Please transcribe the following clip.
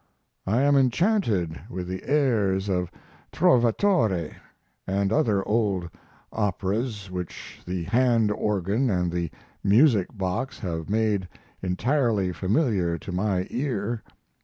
I am enchanted with the airs of "Trovatore" and other old operas which the hand organ and the music box have made entirely familiar to my ear.